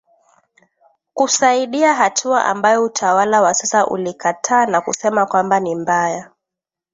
kusaidia hatua ambayo utawala wa sasa ulikataa na kusema kwamba ni mbaya